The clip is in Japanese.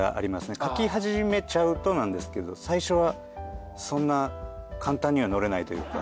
書き始めちゃうとなんですけど最初はそんな簡単には乗れないというか。